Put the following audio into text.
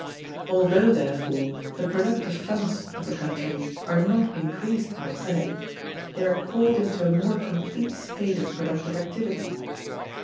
Although, therefore, the productive funds of the country are not increased by credit, they are called into a more complete state of productive activity.